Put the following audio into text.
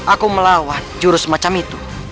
aku melawan jurus macam itu